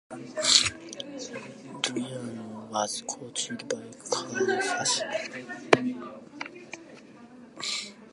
Driano was coached by Carlo Fassi.